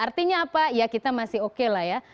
artinya apa ya kita masih oke lah ya